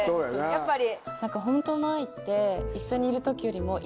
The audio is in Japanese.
やっぱり。